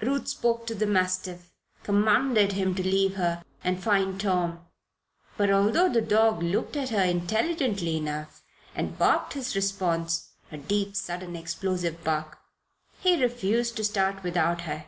Ruth spoke to the mastiff, commanded him to leave her and find "Tom." But although the dog looked at her intelligently enough, and barked his response a deep, sudden, explosive bark he refused to start without her.